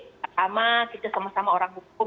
kembali sama kita sama sama orang hukum